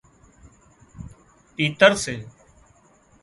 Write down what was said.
تيتر سي